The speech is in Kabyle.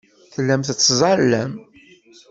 Tellam tettazzalem.